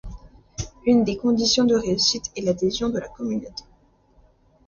Une des conditions de réussite est l'adhésion de la communauté.